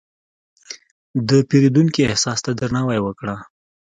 د پیرودونکي احساس ته درناوی وکړه.